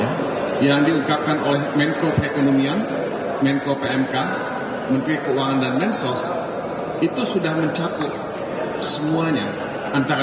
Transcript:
masia yang diungkapkan oleh menkopi ep social villagers itu sudah mencapai semuanya antara